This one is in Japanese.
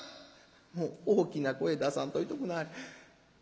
「もう大きな声出さんといておくなはれ。